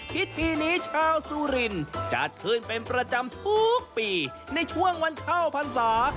พิธีนี้ชาวสุรินจัดขึ้นเป็นประจำทุกปีในช่วงวันเข้าพรรษา